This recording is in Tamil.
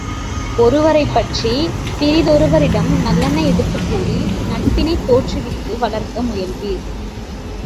ஒருவரைப் பற்றிப் பிறிதொருவரிடம் நல்லன எடுத்துக்கூறி நட்பினைத் தோற்றுவித்து வளர்க்க முயல்வீர்!